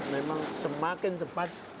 memang semakin cepat